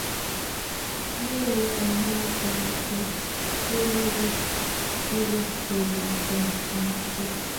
nyoluu konai konetin weli kiriptoo lakwa en sukul